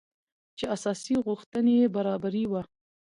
چې اساسي غوښتنې يې برابري وه .